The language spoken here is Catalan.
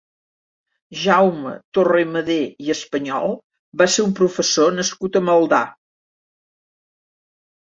Jaume Torremadé i Español va ser un professor nascut a Maldà.